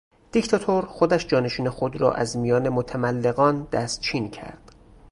دیکتاتور خودش جانشین خود را از میان متملقان دستچین کرد.